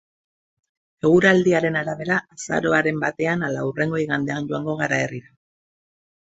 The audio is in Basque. Eguraldiaren arabera, azaroaren batean ala hurrengo igandean joango gara herrira.